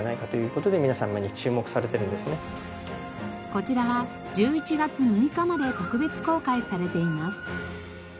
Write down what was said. こちらは１１月６日まで特別公開されています。